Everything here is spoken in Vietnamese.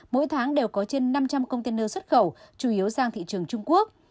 mỗi tháng đều có trên năm trăm linh container xuất khẩu chủ yếu sang thị trường trung quốc